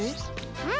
うん。